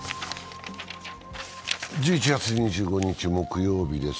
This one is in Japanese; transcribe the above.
１１月２５日木曜日です。